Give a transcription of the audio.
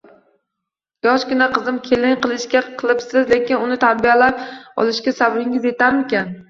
Yoshgina qizni kelin qilishga qilibsiz, lekin uni tarbiyalab olishga sabringiz etarmikan